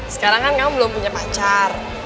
sekarang kan kamu belum punya pacar